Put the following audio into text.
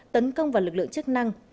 tấn công vào lực lượng chức năng